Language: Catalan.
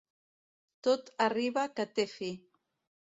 Tot arriba que té fi.